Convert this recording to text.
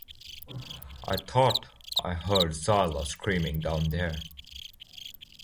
I thought I heard Zyla screaming down there.